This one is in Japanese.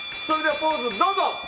それではポーズどうぞ。